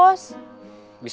bisa operasi sendirian